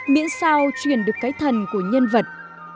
miễn sao truyền được cái thần của nhân vật